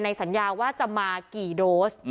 สัญญาว่าจะมากี่โดส